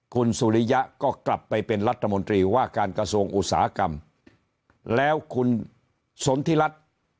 คุณสุริยะก็กลับไปเป็นรัฐมนตรีว่าการกระทรวงอุตสาหกรรมแล้วคุณสนทิรัฐ